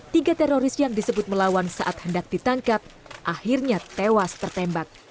tiga teroris yang disebut melawan saat hendak ditangkap akhirnya tewas tertembak